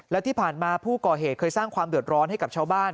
และที่ผ่านมาผู้ก่อเหตุเคยสร้างความเดือดร้อนให้กับชาวบ้าน